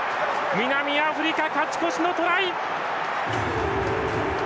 南アフリカ、勝ち越しのトライ！